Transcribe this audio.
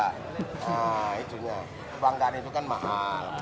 nah itunya kebanggaan itu kan mahal